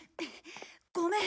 ごめん！